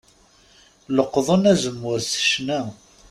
Leqqḍen azemmur s ccna.